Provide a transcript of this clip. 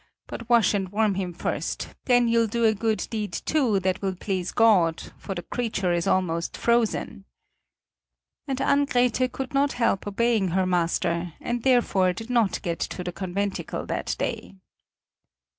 But wash and warm him first; then you'll do a good deed, too, that will please God, for the creature is almost frozen!" And Ann Grethe could not help obeying her master, and therefore did not get to the conventicle that day.